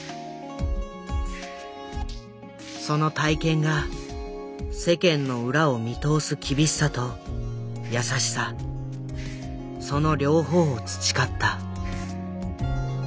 その体験が世間の裏を見通す厳しさと優しさその両方を培った。